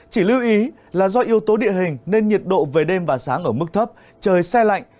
chỉ lưu ý là do yếu tố địa hình nên nhiệt độ về đêm và sáng ở mức thấp trời xe lạnh